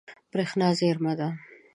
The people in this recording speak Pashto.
برېښنا زیرمه ده.